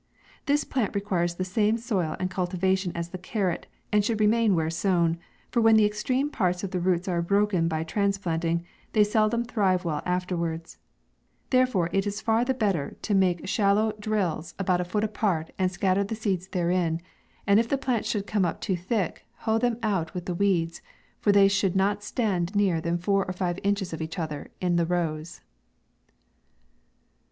This plant requires the same soil and cul tivation as the carrot, and should remain where sown, for when the extreme parts oi the roots are broken by transplanting, they seldom thrive well afterwards ; therefore it is far the better way to make shallow 83 MAY. drills, about a foot apart, and scatter the seeds therein ; and if the plants should come up too thick, hoe them out with the weeds, for tney should not stand nearer than four or five inches of each other in the rows.